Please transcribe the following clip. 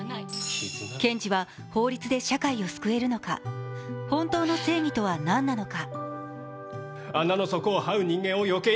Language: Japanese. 検事は法律で社会を救えるのか、本当の正義とは何なのか。